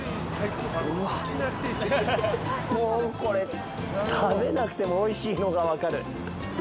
これ、食べなくてもおいしいのが分かる。